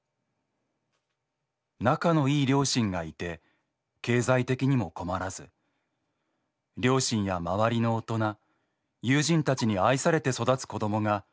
「仲の良い両親が居て経済的にも困らず両親や周りの大人友人たちに愛されて育つ子供が増えて欲しい。